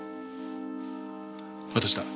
私だ。